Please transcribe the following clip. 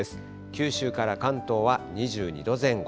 九州から関東は２２度前後。